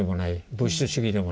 物質主義でもない。